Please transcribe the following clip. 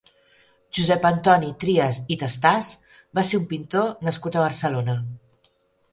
Josep Antoni Trias i Tastàs va ser un pintor nascut a Barcelona.